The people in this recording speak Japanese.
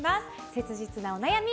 切実なお悩み